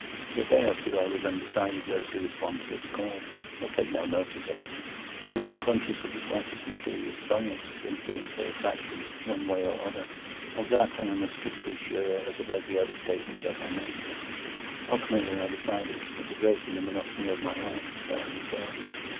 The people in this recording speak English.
For a day or two I was undecided whether to respond to this call, or take no notice of it. I was not conscious of the slightest mysterious bias, influence, or attraction, one way or other. Of that I am as strictly sure as of every other statement that I make here. Ultimately I decided, as a break in the monotony of my life, that I would go.